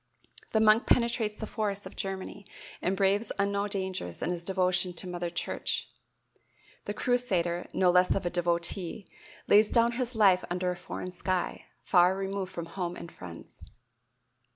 The monk penetrates the forests of Germany and braves unknown dangers in his devotion to mother church; the crusader, no less of a devotee, lays down his life under a foreign sky, far removed from home and friends.